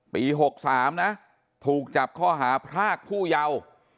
ปี๖๓นะถูกจับข้อหาพรากผู้เยาว์